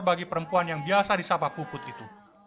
bagi perempuan yang biasa disapa puput itu